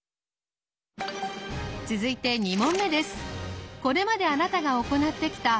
続いて２問目です。